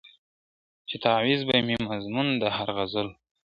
چي تعویذ به مي مضمون د هر غزل وو !.